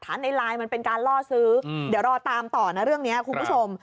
ในไลน์มันเป็นการล่อซื้อเดี๋ยวรอตามต่อนะเรื่องนี้คุณผู้ชม